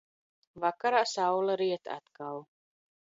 Vakarā saule riet atkal.